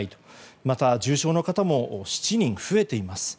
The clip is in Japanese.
また、重症の方も７人増えています。